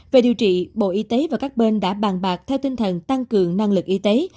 về điều trị bộ y tế và các bên đã bàn bạc theo tinh thần tăng cường năng lực y tế